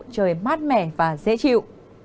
trời mát mẻ và dễ chịu